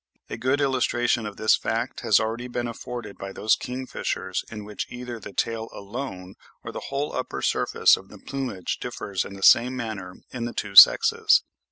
A good illustration of this fact has already been afforded by those kingfishers in which either the tail alone or the whole upper surface of the plumage differs in the same manner in the two sexes.